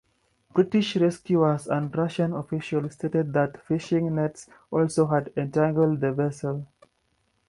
British rescuers and Russian officials stated that fishing nets also had entangled the vessel.